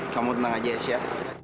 kamu tenang aja ya sya